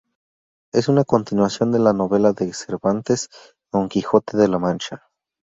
Es una continuación de la novela de Cervantes "Don Quijote de la Mancha".